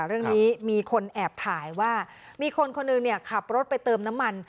เรื่องนี้มีคนแอบถ่ายว่ามีคนคนหนึ่งขับรถไปเติมน้ำมัน